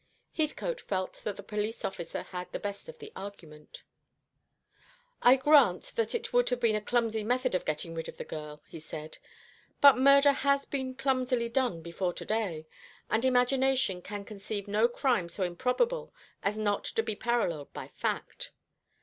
'" Heathcote felt that the police officer had the best of the argument. "I grant that it would have been a clumsy method of getting rid of the girl," he said, "but murder has been clumsily done before to day, and imagination can conceive no crime so improbable as not to be paralleled by fact.